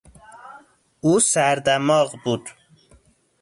او سردماغ بود.